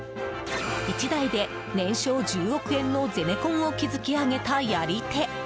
１代で年商１０億円のゼネコンを築き上げたやり手。